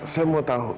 saya mau tahu